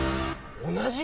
同じ？